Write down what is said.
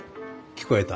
聞こえた。